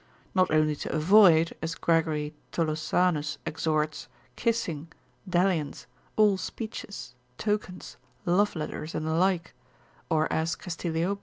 Not only to avoid, as Gregory Tholosanus exhorts, kissing, dalliance, all speeches, tokens, love letters, and the like, or as Castilio, lib.